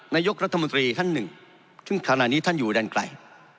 นายกรัฐมนตรีท่านหนึ่งซึ่งขณะนี้ท่านอยู่ดันไกล